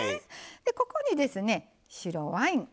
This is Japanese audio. ここにですね白ワイン。